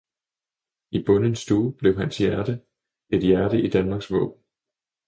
i bondens stue blev hans hjerte et hjerte i Danmarks våben.